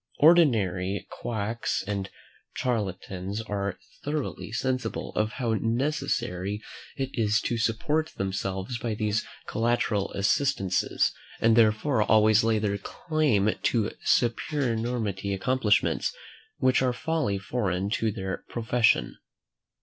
Ordinary quacks and charlatans are thoroughly sensible how necessary it is to support themselves by these collateral assistances, and therefore always lay their claim to some supernumerary accomplishments, which are wholly foreign to their profession.